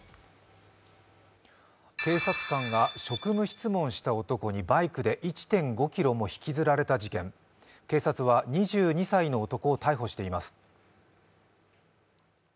警察官が職務質問した男にバイクで１．５ｋｍも引きずられた事件警察は２２歳の男を逮捕しています。